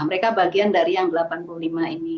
mereka bagian dari yang delapan puluh lima ini